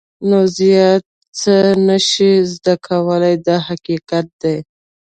نو زیات څه نه شې زده کولای دا حقیقت دی.